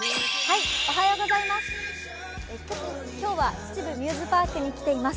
今日は秩父ミューズパークに来ています。